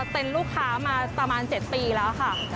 เป็นลูกค้ามาประมาณ๗ปีแล้วค่ะ